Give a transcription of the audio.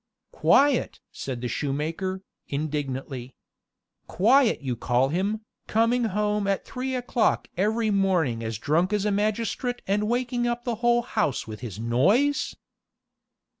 "Quiet!" said shoemaker, indignantly. "Quiet you call him, coming home at three o'clock every morning as drunk as a magistrate and waking up the whole house with his noise!"